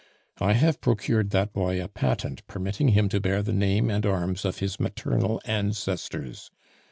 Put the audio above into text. I have procured that boy a patent permitting him to bear the name and arms of his maternal ancestors.